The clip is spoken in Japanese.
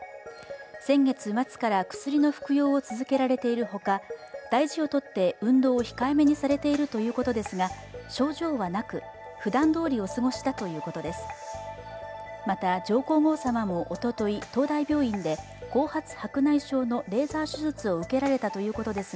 先月末から薬の服用を続けられているほか大事をとって運動を控えめにされているということですが症状はなく、ふだんどおりお過ごしだということです。